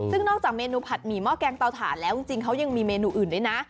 ซึ่งนอกจากเมนูผัดหมี่ห้อแกงเตาถ่านแล้วจริงเขายังมีเมนูอื่นด้วยนะ